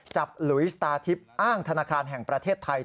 หลุยสตาร์ทิพย์อ้างธนาคารแห่งประเทศไทย